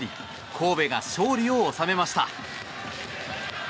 神戸が勝利を収めました。